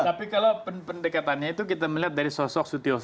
tapi kalau pendekatannya itu kita melihat dari sosial media